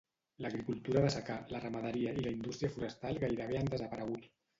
L'agricultura de secà, la ramaderia i la indústria forestal gairebé han desaparegut.